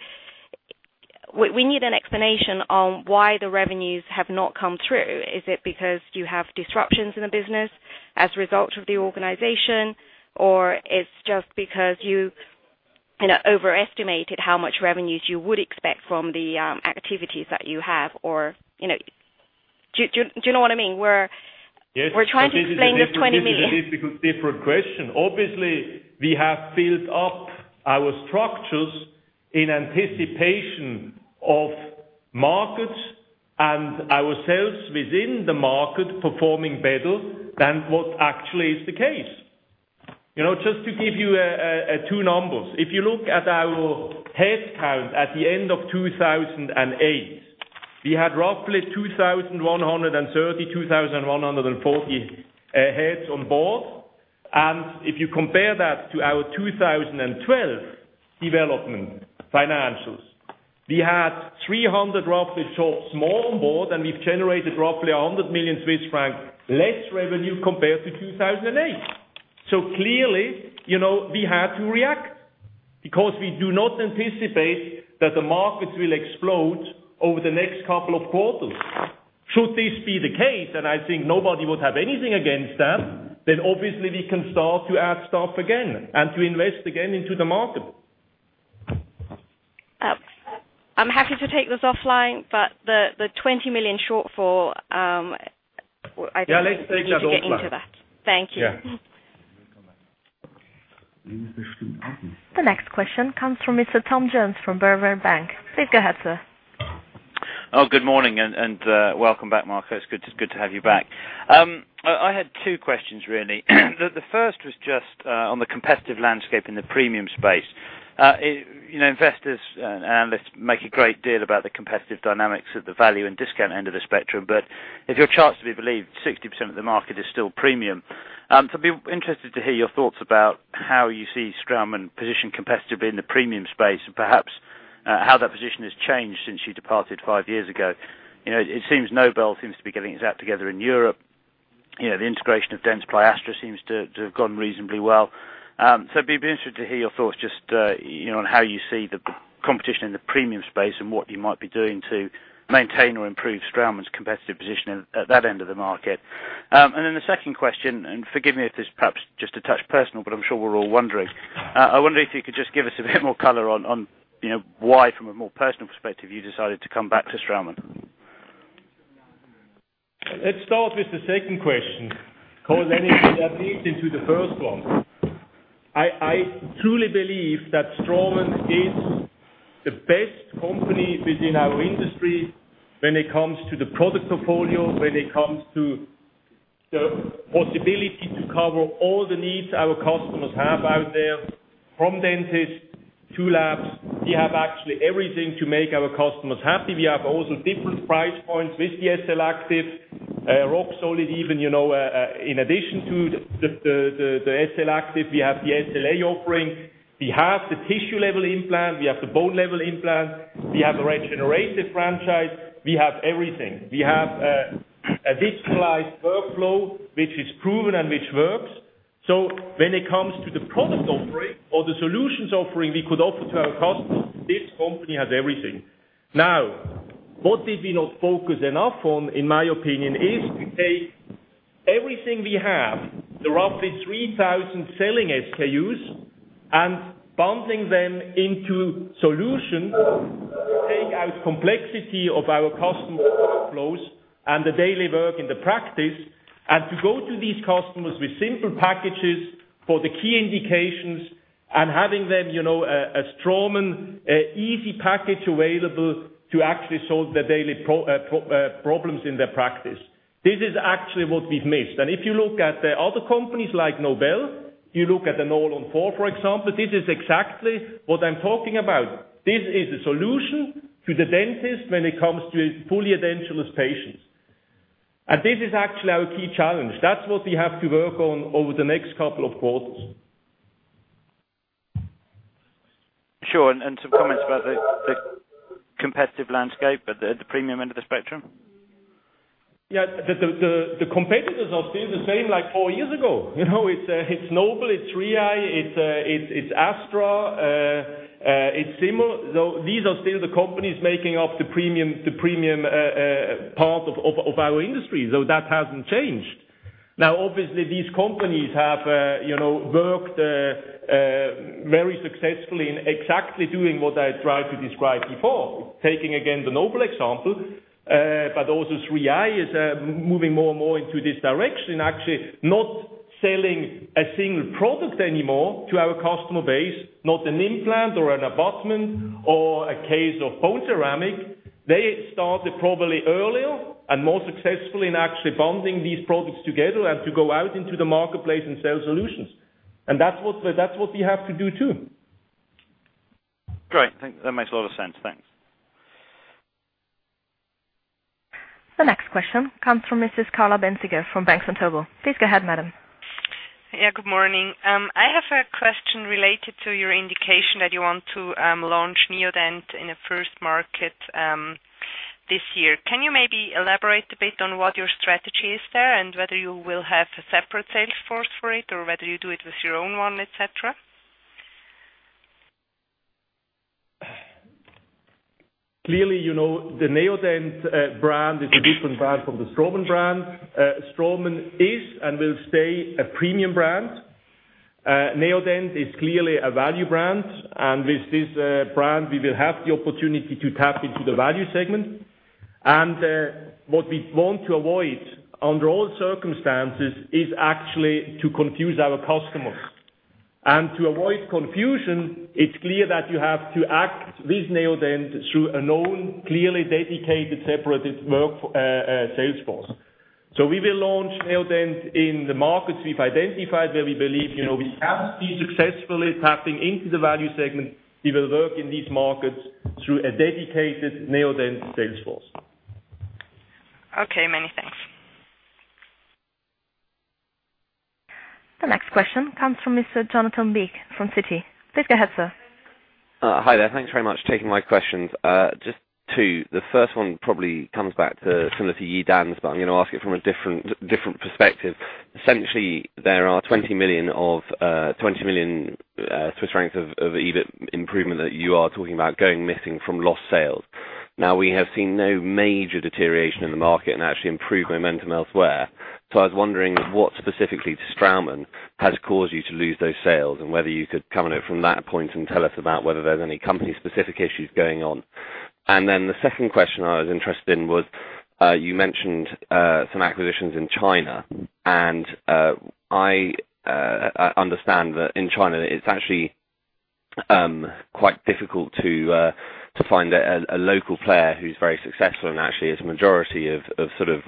Speaker 7: We need an explanation on why the revenues have not come through. Is it because you have disruptions in the business as a result of the organization, or it's just because you overestimated how much revenues you would expect from the activities that you have, or Do you know what I mean?
Speaker 2: Yes.
Speaker 7: We're trying to explain this 20 million.
Speaker 2: This is a different question. Obviously, we have built up our structures in anticipation of markets and ourselves within the market performing better than what actually is the case. Just to give you two numbers. If you look at our headcount at the end of 2008, we had roughly 2,130, 2,140 heads on board. If you compare that to our 2012 development financials, we had 300 roughly jobs more on board, and we've generated roughly 100 million Swiss francs less revenue compared to 2008. Clearly, we had to react because we do not anticipate that the markets will explode over the next couple of quarters. Should this be the case, then I think nobody would have anything against that, then obviously we can start to add staff again and to invest again into the market.
Speaker 7: I'm happy to take this offline. The 20 million shortfall, I think we need to get into that.
Speaker 2: Yeah, let's take that offline.
Speaker 7: Thank you.
Speaker 2: Yeah.
Speaker 1: The next question comes from Mr. Tom Jones from Berenberg Bank. Please go ahead, sir.
Speaker 8: Good morning, and welcome back, Marco. It's good to have you back. I had two questions, really. The first was just on the competitive landscape in the premium space. Investors and analysts make a great deal about the competitive dynamics of the value and discount end of the spectrum. If your charts are to be believed, 60% of the market is still premium. I'd be interested to hear your thoughts about how you see Straumann positioned competitively in the premium space, and perhaps how that position has changed since you departed 5 years ago. It seems Nobel seems to be getting its act together in Europe. The integration of Dentsply Astra seems to have gone reasonably well. It'd be interesting to hear your thoughts just on how you see the competition in the premium space and what you might be doing to maintain or improve Straumann's competitive position at that end of the market. The second question, forgive me if this is perhaps just a touch personal, I'm sure we're all wondering. I wonder if you could just give us a bit more color on why, from a more personal perspective, you decided to come back to Straumann.
Speaker 2: Let's start with the second question, because then it feeds into the first one. I truly believe that Straumann is the best company within our industry when it comes to the product portfolio, when it comes to the possibility to cover all the needs our customers have out there, from dentist to labs. We have actually everything to make our customers happy. We have also different price points with the SLActive, Roxolid, even in addition to the SLActive, we have the SLA offering. We have the tissue level implant, we have the bone level implant, we have a Regeneratives franchise, we have everything. We have a digitalized workflow which is proven and which works. When it comes to the product offering or the solutions offering we could offer to our customers, this company has everything. Now, what did we not focus enough on, in my opinion, is to take everything we have, the roughly 3,000 selling SKUs, bundling them into solutions to take out complexity of our customers' workflows and the daily work in the practice, to go to these customers with simple packages for the key indications and having them, a Straumann easy package available to actually solve their daily problems in their practice. This is actually what we've missed. If you look at the other companies like Nobel, you look at an All-on-4, for example, this is exactly what I'm talking about. This is a solution to the dentist when it comes to fully edentulous patients. This is actually our key challenge. That's what we have to work on over the next couple of quarters.
Speaker 8: Sure. Some comments about the competitive landscape at the premium end of the spectrum?
Speaker 2: Yeah. The competitors are still the same like four years ago. It's Nobel, it's 3i, it's Astra, it's Zimmer. These are still the companies making up the premium part of our industry. That hasn't changed. Obviously, these companies have worked very successfully in exactly doing what I tried to describe before. Taking again, the Nobel example, but also 3i is moving more and more into this direction, actually not selling a single product anymore to our customer base, not an implant or an abutment or a case of BoneCeramic. They started probably earlier and more successfully in actually bundling these products together and to go out into the marketplace and sell solutions. That's what we have to do, too.
Speaker 8: Great. That makes a lot of sense. Thanks.
Speaker 1: The next question comes from Mrs. Carla Bänziger from Bank Vontobel. Please go ahead, madam.
Speaker 9: Good morning. I have a question related to your indication that you want to launch Neodent in the first market this year. Can you maybe elaborate a bit on what your strategy is there and whether you will have a separate sales force for it or whether you do it with your own one, et cetera?
Speaker 2: Clearly, the Neodent brand is a different brand from the Straumann brand. Straumann is and will stay a premium brand. Neodent is clearly a value brand, and with this brand, we will have the opportunity to tap into the value segment. What we want to avoid under all circumstances is actually to confuse our customers. To avoid confusion, it's clear that you have to act with Neodent through a known, clearly dedicated, separated sales force. We will launch Neodent in the markets we've identified where we believe we can be successfully tapping into the value segment. We will work in these markets through a dedicated Neodent sales force.
Speaker 9: Many thanks.
Speaker 1: The next question comes from Mr. Jonathan Beek from Citi. Please go ahead, sir.
Speaker 10: Hi there. Thanks very much for taking my questions. Just two. The first one probably comes back similar to Yidan's, but I'm going to ask it from a different perspective. Essentially, there are 20 million of EBIT improvement that you are talking about going missing from lost sales. We have seen no major deterioration in the market and actually improved momentum elsewhere. I was wondering what specifically to Straumann has caused you to lose those sales, and whether you could come at it from that point and tell us about whether there's any company-specific issues going on. The second question I was interested in was, you mentioned some acquisitions in China, and I understand that in China, it's actually quite difficult to find a local player who's very successful, and actually it's a majority of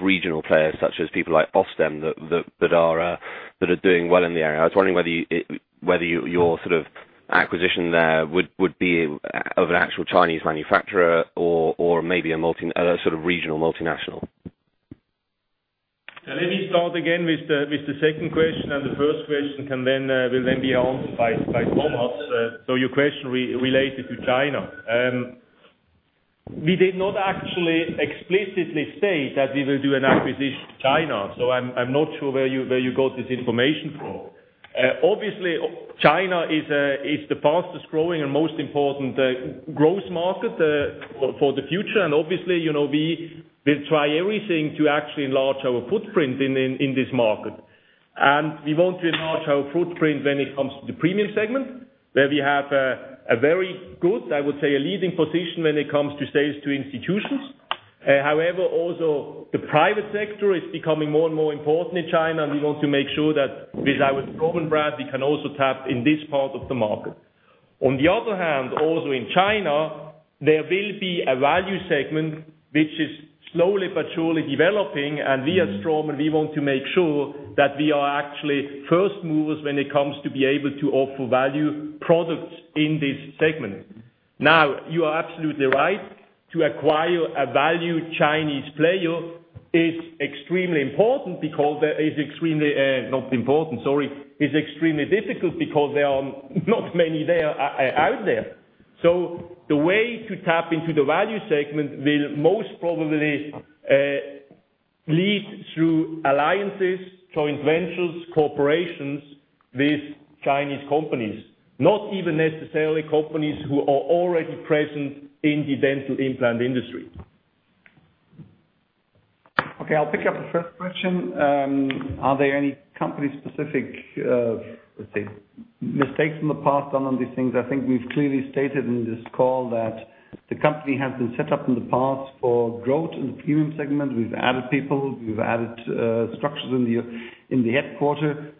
Speaker 10: regional players such as people like Osstem that are doing well in the area. I was wondering whether your acquisition there would be of an actual Chinese manufacturer or maybe a regional multinational.
Speaker 2: Let me start again with the second question. The first question will then be answered by Thomas. Your question related to China. We did not actually explicitly say that we will do an acquisition in China, so I'm not sure where you got this information from. Obviously, China is the fastest-growing and most important growth market for the future. Obviously, we will try everything to actually enlarge our footprint in this market. We want to enlarge our footprint when it comes to the premium segment, where we have a very good, I would say, a leading position when it comes to sales to institutions. However, also the private sector is becoming more and more important in China, and we want to make sure that with our Straumann brand, we can also tap in this part of the market. On the other hand, also in China, there will be a value segment which is slowly but surely developing. We as Straumann, we want to make sure that we are actually first movers when it comes to be able to offer value products in this segment. You are absolutely right, to acquire a value Chinese player is extremely difficult because there are not many out there. The way to tap into the value segment will most probably lead through alliances, joint ventures, corporations. These Chinese companies, not even necessarily companies who are already present in the dental implant industry.
Speaker 3: Okay, I'll pick up the first question. Are there any company specific, let's say, mistakes from the past on these things? I think we've clearly stated in this call that the company has been set up in the past for growth in the premium segment. We've added people, we've added structures in the headquarter.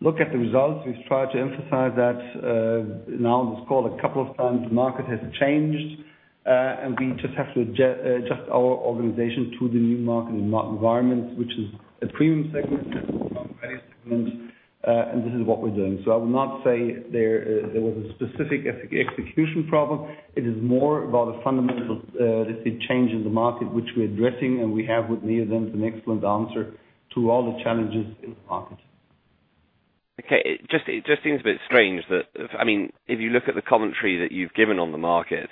Speaker 3: Look at the results. We've tried to emphasize that now on this call a couple of times. The market has changed. We just have to adjust our organization to the new market environment, which is a premium segment and this is what we're doing. I would not say there was a specific execution problem. It is more about a fundamental, let's say, change in the market, which we're addressing, and we have with Neodent an excellent answer to all the challenges in the market.
Speaker 10: Okay. It just seems a bit strange that if you look at the commentary that you've given on the market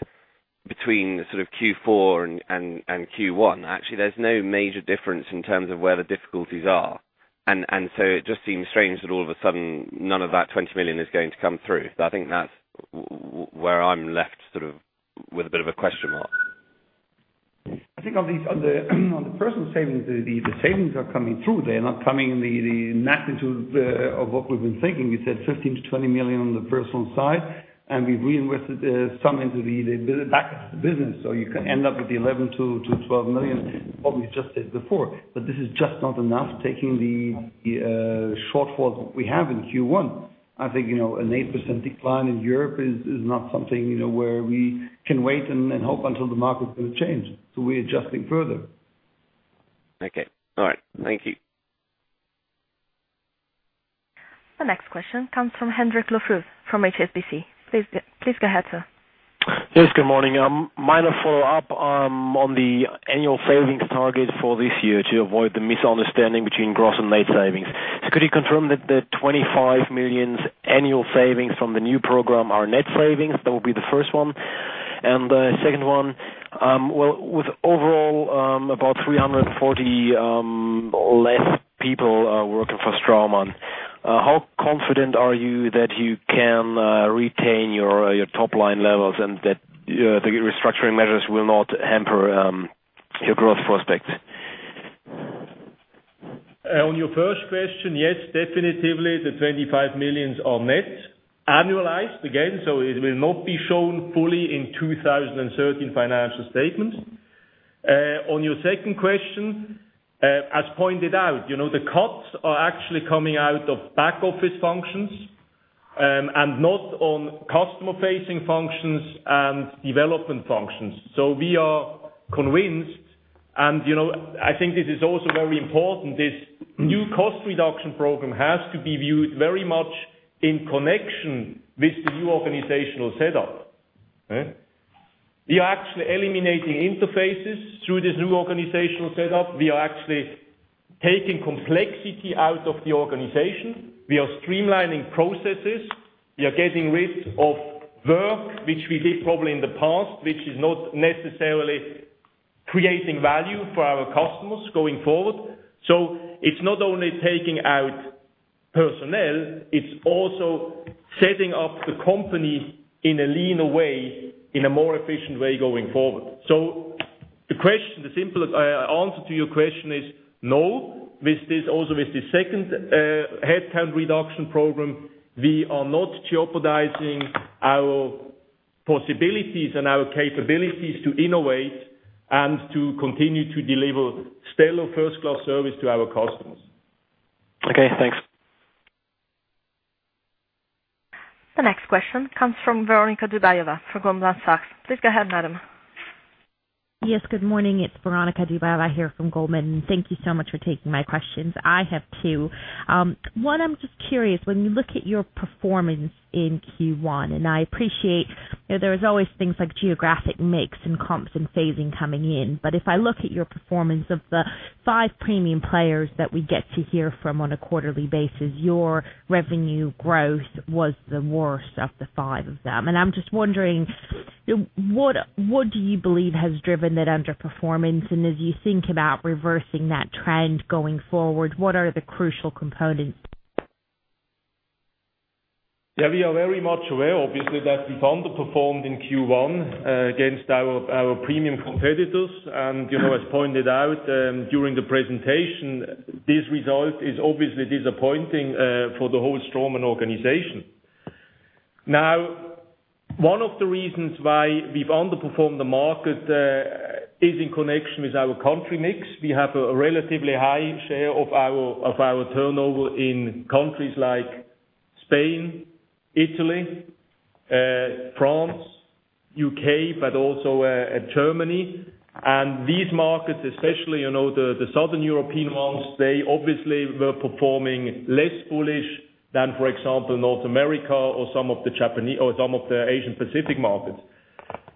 Speaker 10: between Q4 and Q1, actually, there's no major difference in terms of where the difficulties are. It just seems strange that all of a sudden none of that 20 million is going to come through. I think that's where I'm left with a bit of a question mark.
Speaker 3: I think on the personal savings, the savings are coming through. They're not coming in the magnitude of what we've been thinking. We said 15 million-20 million on the personal side, and we've reinvested some into the back office business. You end up with the 11 million-12 million, what we just said before. This is just not enough, taking the shortfalls that we have in Q1. I think, an 8% decline in Europe is not something where we can wait and hope until the market will change. We're adjusting further.
Speaker 10: Okay. All right. Thank you.
Speaker 1: The next question comes from Hendrik Lofrus from HSBC. Please go ahead, sir.
Speaker 11: Yes, good morning. Minor follow-up on the annual savings target for this year to avoid the misunderstanding between gross and net savings. Could you confirm that the 25 million annual savings from the new program are net savings? That will be the first one. The second one, with overall about 340 less people working for Straumann, how confident are you that you can retain your top-line levels and that the restructuring measures will not hamper your growth prospects?
Speaker 2: On your first question, yes, definitely the 25 million are net, annualized again, so it will not be shown fully in 2013 financial statements. On your second question, as pointed out, the cuts are actually coming out of back office functions, and not on customer-facing functions and development functions. We are convinced, and I think this is also very important, this new cost reduction program has to be viewed very much in connection with the new organizational setup. We are actually eliminating interfaces through this new organizational setup. We are actually taking complexity out of the organization. We are streamlining processes. We are getting rid of work, which we did probably in the past, which is not necessarily creating value for our customers going forward. It's not only taking out personnel, it's also setting up the company in a leaner way, in a more efficient way going forward. The simple answer to your question is no. Also with the second headcount reduction program, we are not jeopardizing our possibilities and our capabilities to innovate and to continue to deliver stellar first-class service to our customers.
Speaker 11: Okay, thanks.
Speaker 1: The next question comes from Veronika Dubajova from Goldman Sachs. Please go ahead, madam.
Speaker 12: Yes, good morning. It's Veronika Dubajova here from Goldman. Thank you so much for taking my questions. I have two. One, I'm just curious, when we look at your performance in Q1, I appreciate there is always things like geographic mix and comps and phasing coming in. If I look at your performance of the five premium players that we get to hear from on a quarterly basis, your revenue growth was the worst of the five of them. I'm just wondering, what do you believe has driven that underperformance? As you think about reversing that trend going forward, what are the crucial components?
Speaker 2: Yeah, we are very much aware, obviously, that we've underperformed in Q1 against our premium competitors. As pointed out during the presentation, this result is obviously disappointing for the whole Straumann organization. Now, one of the reasons why we've underperformed the market is in connection with our country mix. We have a relatively high share of our turnover in countries like Spain, Italy, France, U.K., but also Germany. These markets, especially the Southern European ones, they obviously were performing less bullish than, for example, North America or some of the Asian Pacific markets.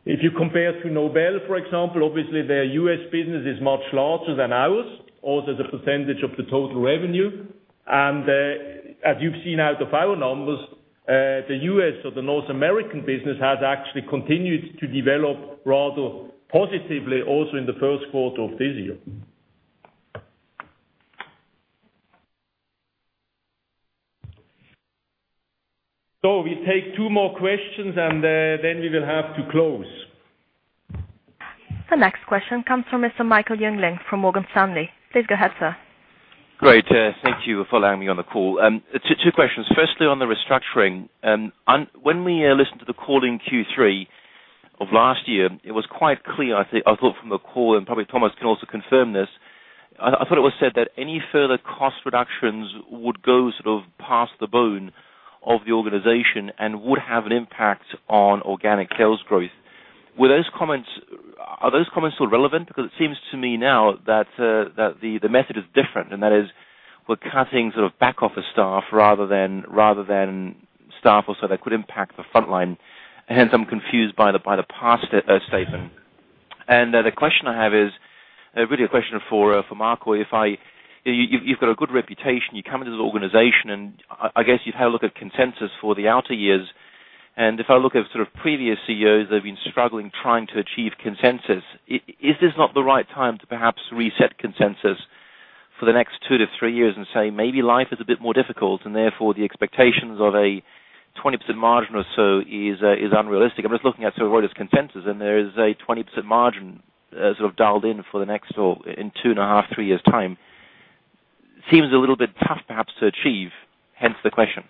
Speaker 2: If you compare to Nobel, for example, obviously, their U.S. business is much larger than ours, also the percentage of the total revenue. As you've seen out of our numbers, the U.S. or the North American business has actually continued to develop rather positively also in the first quarter of this year. We take two more questions and then we will have to close.
Speaker 1: The next question comes from Mr. Michael Jüngling from Morgan Stanley. Please go ahead, sir.
Speaker 13: Great. Thank you for allowing me on the call. Two questions. Firstly, on the restructuring. When we listened to the call in Q3 of last year, it was quite clear, I thought from the call, and probably Thomas can also confirm this. I thought it was said that any further cost reductions would go sort of past the bone of the organization and would have an impact on organic sales growth. Are those comments still relevant? Because it seems to me now that the method is different, and that is we're cutting back office staff rather than staff also that could impact the frontline. Hence, I'm confused by the past statement. The question I have is really a question for Marco. You've got a good reputation. You come into this organization, and I guess you've had a look at consensus for the outer years. If I look at sort of previous CEOs, they've been struggling trying to achieve consensus. Is this not the right time to perhaps reset consensus for the next two to three years and say, maybe life is a bit more difficult, and therefore the expectations of a 20% margin or so is unrealistic? I'm just looking at sort of where it is consensus, and there is a 20% margin sort of dialed in for the next, or in two and a half, three years' time. Seems a little bit tough perhaps to achieve, hence the question.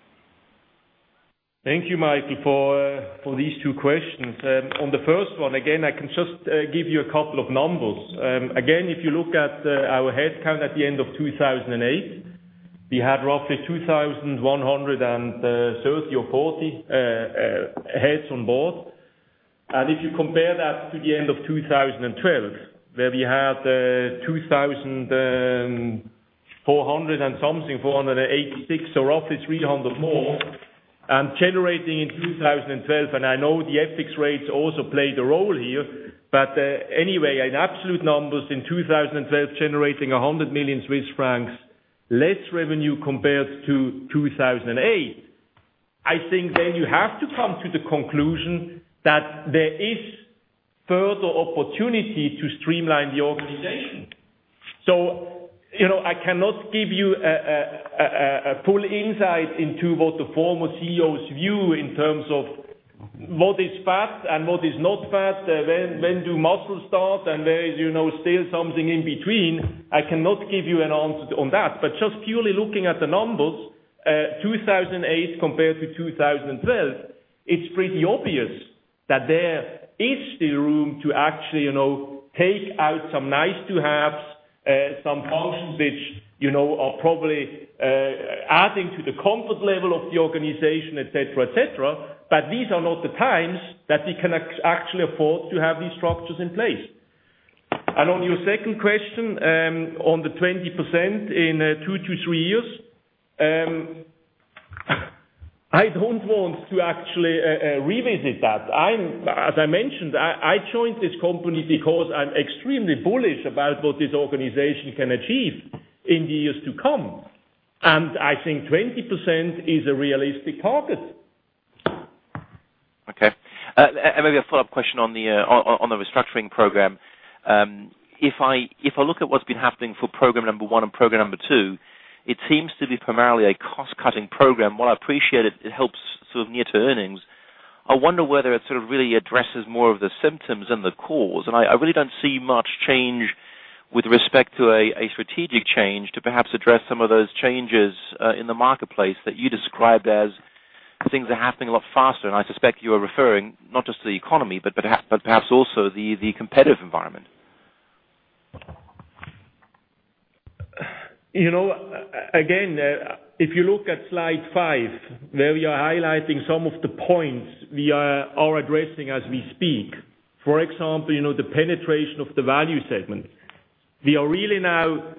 Speaker 2: Thank you, Michael, for these two questions. On the first one, again, I can just give you a couple of numbers. If you look at our headcount at the end of 2008, we had roughly 2,130 or 40 heads on board. If you compare that to the end of 2012, where we had 2,486, so roughly 300 more and generating in 2012. I know the FX rates also played a role here. Anyway, in absolute numbers in 2012, generating 100 million Swiss francs less revenue compared to 2008. I think then you have to come to the conclusion that there is further opportunity to streamline the organization. I cannot give you a full insight into what the former CEO's view in terms of what is fat and what is not fat, when do muscle start, and where is still something in between. I cannot give you an answer on that. Just purely looking at the numbers, 2008 compared to 2012, it's pretty obvious that there is still room to actually take out some nice to haves, some functions which are probably adding to the comfort level of the organization, et cetera. These are not the times that we can actually afford to have these structures in place. On your second question, on the 20% in two to three years, I don't want to actually revisit that. As I mentioned, I joined this company because I'm extremely bullish about what this organization can achieve in the years to come, and I think 20% is a realistic target.
Speaker 13: Okay. Maybe a follow-up question on the restructuring program. If I look at what's been happening for program number 1 and program number 2, it seems to be primarily a cost-cutting program. While I appreciate it helps sort of near to earnings, I wonder whether it sort of really addresses more of the symptoms than the cause. I really don't see much change with respect to a strategic change to perhaps address some of those changes in the marketplace that you described as things are happening a lot faster. I suspect you are referring not just to the economy, but perhaps also the competitive environment.
Speaker 2: Again, if you look at slide five, where we are highlighting some of the points we are addressing as we speak, for example, the penetration of the value segment. We are really now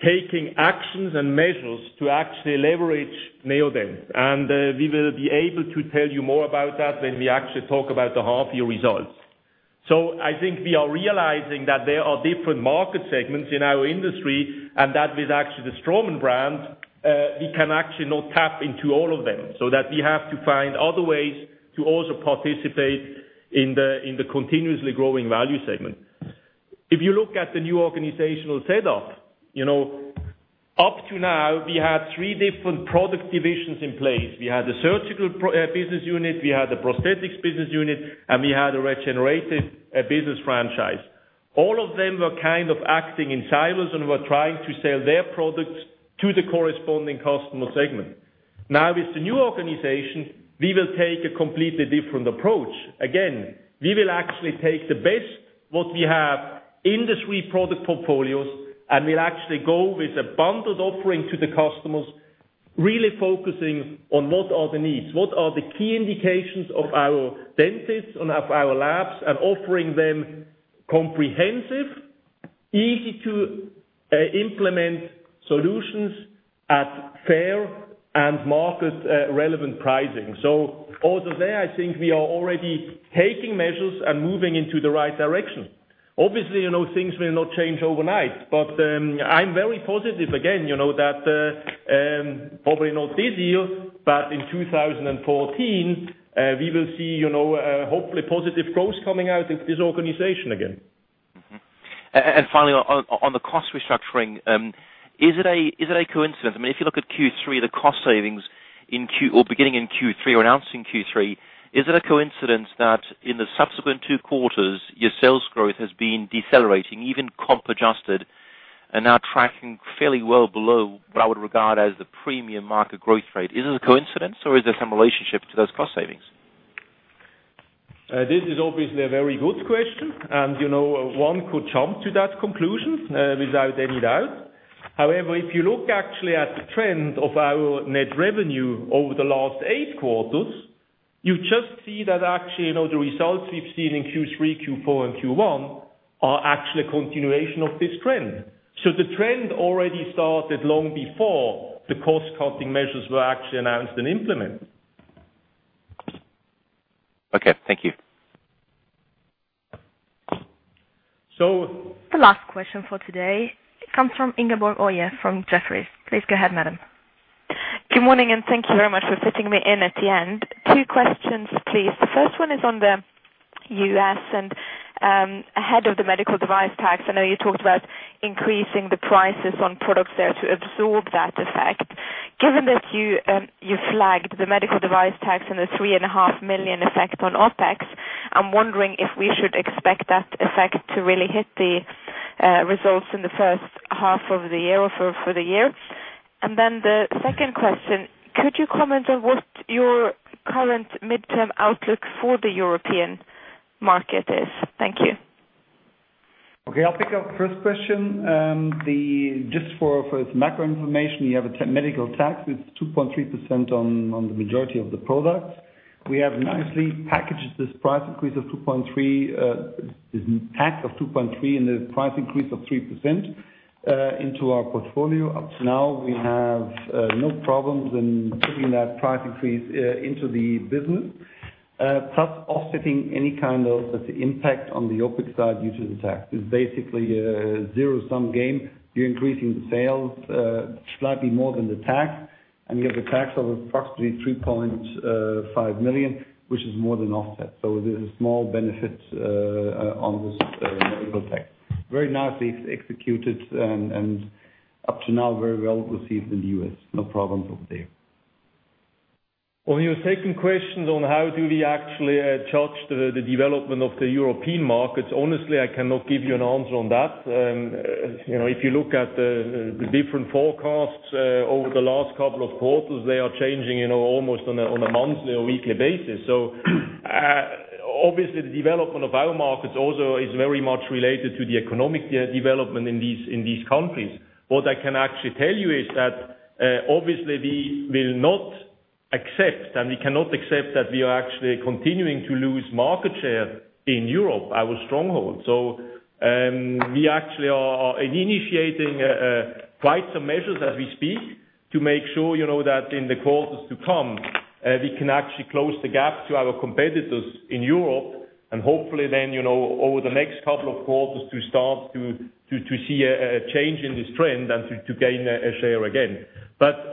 Speaker 2: taking actions and measures to actually leverage Neodent, and we will be able to tell you more about that when we actually talk about the half-year results. I think we are realizing that there are different market segments in our industry, and that with actually the Straumann brand, we can actually not tap into all of them. That we have to find other ways to also participate in the continuously growing value segment. If you look at the new organizational set up to now, we had three different product divisions in place. We had the Surgical Business Unit, we had the Prosthetics Business Unit, and we had a Regeneratives business franchise. All of them were kind of acting in silos and were trying to sell their products to the corresponding customer segment. With the new organization, we will take a completely different approach. Again, we will actually take the best what we have in these three product portfolios, will actually go with a bundled offering to the customers, really focusing on what are the needs, what are the key indications of our dentists and of our labs, and offering them comprehensive, easy to implement solutions at fair and market-relevant pricing. Also there, I think we are already taking measures and moving into the right direction. Obviously, things will not change overnight. I'm very positive again, that probably not this year, but in 2014, we will see hopefully positive growth coming out of this organization again.
Speaker 13: Finally, on the cost restructuring, is it a coincidence? If you look at Q3, the cost savings beginning in Q3, or announced in Q3, is it a coincidence that in the subsequent two quarters, your sales growth has been decelerating, even comp adjusted, and now tracking fairly well below what I would regard as the premium market growth rate? Is it a coincidence or is there some relationship to those cost savings?
Speaker 2: This is obviously a very good question and one could jump to that conclusion without any doubt. However, if you look actually at the trend of our net revenue over the last eight quarters, you just see that actually, the results we've seen in Q3, Q4, and Q1 are actually a continuation of this trend. The trend already started long before the cost-cutting measures were actually announced and implemented.
Speaker 13: Okay, thank you.
Speaker 2: So-
Speaker 1: The last question for today comes from Ingeborg Ohle from Jefferies. Please go ahead, madam.
Speaker 14: Good morning. Thank you very much for fitting me in at the end. Two questions, please. The first one is on the U.S. and ahead of the medical device tax. I know you talked about increasing the prices on products there to absorb that effect. Given that you flagged the medical device tax and the 3.5 million effect on OpEx, I'm wondering if we should expect that effect to really hit the results in the first half of the year or for the year. The second question, could you comment on what your current midterm outlook for the European market is? Thank you.
Speaker 2: Okay. I'll pick up the first question. Just for some macro information, we have a medical device tax that's 2.3% on the majority of the products. We have nicely packaged this price increase of 2.3%, this tax of 2.3%, and the price increase of 3% into our portfolio. Up to now, we have no problems in putting that price increase into the business. Plus offsetting any kind of impact on the OpEx side due to the tax. It's basically a zero-sum game. You're increasing the sales slightly more than the tax, and we have a tax of approximately 3.5 million, which is more than offset. There's a small benefit on this medical device tax. Very nicely executed and up to now, very well received in the U.S. No problems over there. On your second question on how do we actually judge the development of the European markets, honestly, I cannot give you an answer on that. If you look at the different forecasts over the last couple of quarters, they are changing almost on a monthly or weekly basis. Obviously, the development of our markets also is very much related to the economic development in these countries. What I can actually tell you is that obviously we will not accept, and we cannot accept that we are actually continuing to lose market share in Europe, our stronghold. We actually are initiating quite some measures as we speak to make sure that in the quarters to come, we can actually close the gap to our competitors in Europe and hopefully then over the next couple of quarters to start to see a change in this trend and to gain a share again.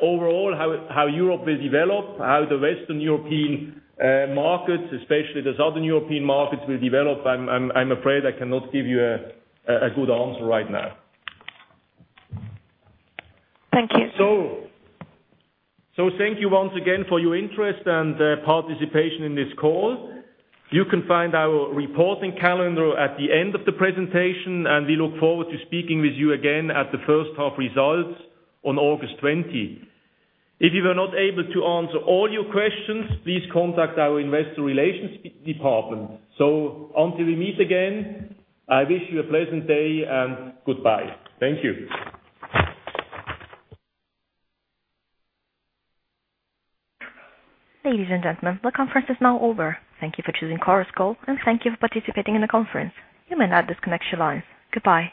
Speaker 2: Overall, how Europe will develop, how the Western European markets, especially the Southern European markets, will develop, I'm afraid I cannot give you a good answer right now.
Speaker 14: Thank you.
Speaker 2: Thank you once again for your interest and participation in this call. You can find our reporting calendar at the end of the presentation, and we look forward to speaking with you again at the first half results on August 20. If we were not able to answer all your questions, please contact our investor relations department. Until we meet again, I wish you a pleasant day and goodbye. Thank you.
Speaker 1: Ladies and gentlemen, the conference is now over. Thank you for choosing Chorus Call, and thank you for participating in the conference. You may now disconnect your lines. Goodbye.